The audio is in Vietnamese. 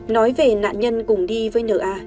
nói về nạn nhân cùng đi với nna